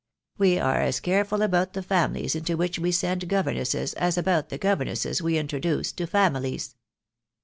We are as careful about the families into which we send governesses as about the governesses we introduce into families."